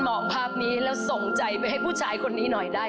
ของท่านได้เสด็จเข้ามาอยู่ในความทรงจำของคน๖๗๐ล้านคนค่ะทุกท่าน